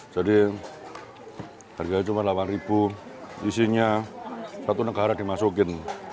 jadi harganya cuma delapan isinya satu negara dimasukin